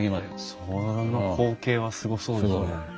その光景はすごそうですね。